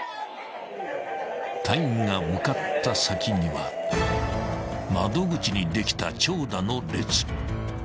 ［隊員が向かった先には窓口にできた］